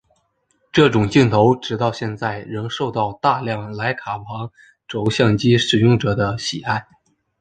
这种镜头直到现在仍受到大量莱卡旁轴相机使用者的喜爱。